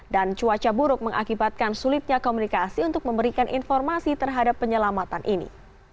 dan cuaca buruk mengakibatkan sulitnya komunikasi untuk memberikan informasi terhadap penyelamatan ini